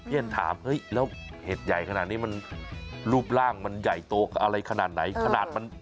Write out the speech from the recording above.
เพี้ยนถามเห็ดใหญ่ขนาดนี้รูปร่างใหญ่โตอะไรขนาดไหน